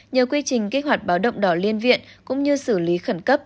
nhờ quy trình kích hoạt báo động đỏ liên viện cũng như xử lý khẩn cấp